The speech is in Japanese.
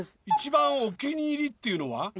一番お気に入りっていうのは？